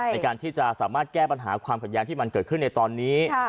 ในการที่จะสามารถแก้ปัญหาความขัดแย้งที่มันเกิดขึ้นในตอนนี้